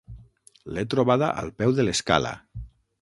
L'he trobada al peu de l'escala.